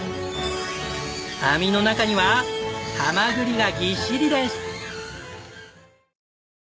網の中にはハマグリがぎっしりです！